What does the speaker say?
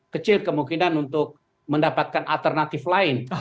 kecil kemungkinan untuk mendapatkan alternatif lain